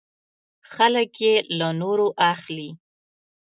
خلک یې له نورو اخلي .